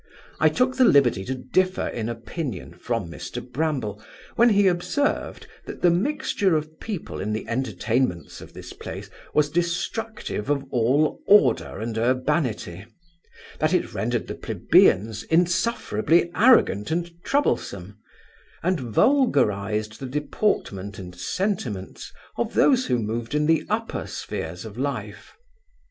I took the liberty to differ in opinion from Mr Bramble, when he observed, that the mixture of people in the entertainments of this place was destructive of all order and urbanity; that it rendered the plebeians insufferably arrogant and troublesome, and vulgarized the deportment and sentiments of those who moved in the upper spheres of life.